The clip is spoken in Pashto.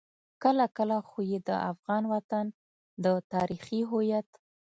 کله کله خو يې د افغان وطن د تاريخي هويت.